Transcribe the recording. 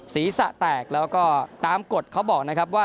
ศีรษะแตกแล้วก็ตามกฎเขาบอกนะครับว่า